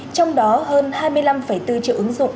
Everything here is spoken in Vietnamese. trong đó hơn hai mươi năm bốn triệu ứng dụng